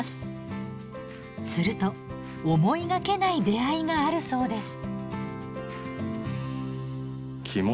すると思いがけない出会いがあるそうです。